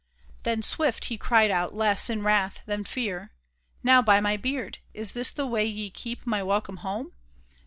Then swift he cried out, less in wrath than fear, " Now, by my beard ! is this the way ye keep My welcome home